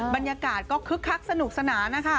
บรรยากาศก็คึกคักสนุกสนานนะคะ